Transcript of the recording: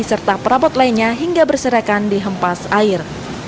serta perabot lainnya hingga berserakan di hempas air